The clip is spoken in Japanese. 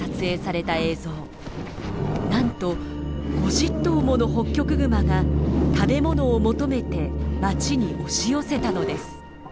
なんと５０頭ものホッキョクグマが食べ物を求めて町に押し寄せたのです。